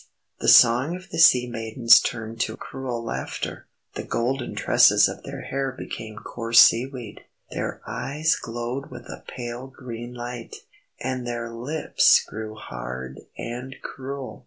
The song of the sea maidens turned to cruel laughter. The golden tresses of their hair became coarse seaweed. Their eyes glowed with a pale green light, and their lips grew hard and cruel.